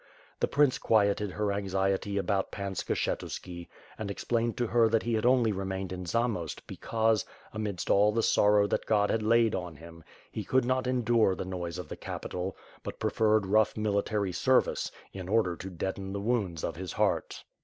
The prince quieted her anxiety about Pan Skshetuski and explained to her that he had only remained in Zamost because, amidst all the sorrow that God had laid on him, he could not endure the noise of the capital, but preferred rough military service, in order to deaden the wounds of his heart.